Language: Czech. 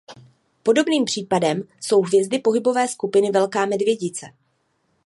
Podobným případem jsou hvězdy pohybové skupiny Velká medvědice.